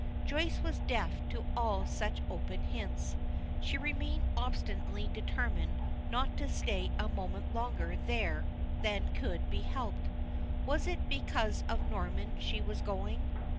Joyce was deaf to all such open hints. She remained obstinately determined not to stay a moment longer there than could be helped. Was it because of Norman she was going?